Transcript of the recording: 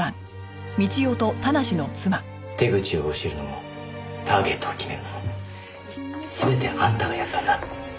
手口を教えるのもターゲットを決めるのも全てあんたがやったんだ。